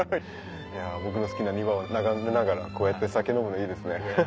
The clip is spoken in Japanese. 僕の好きな庭を眺めながらこうやって酒飲むのいいですね。